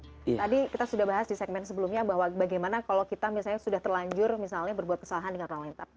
tadi kita sudah bahas di segmen sebelumnya bahwa bagaimana kalau kita misalnya sudah terlanjur misalnya berbuat kesalahan dengan orang lain